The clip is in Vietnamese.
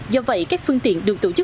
do vậy các phương tiện được tổ chức